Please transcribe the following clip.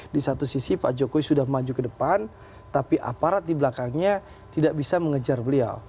di satu sisi pak jokowi sudah maju ke depan tapi aparat di belakangnya tidak bisa mengejar beliau